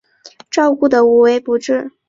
照顾得无微不至